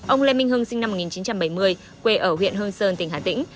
ông lê minh hưng sinh năm một nghìn chín trăm bảy mươi quê ở huyện hương sơn tỉnh hà tĩnh